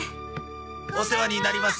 お世話になります。